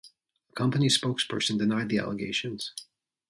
A company spokesperson denied the allegations.